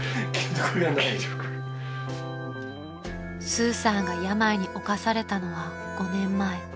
［スーさんが病に侵されたのは５年前］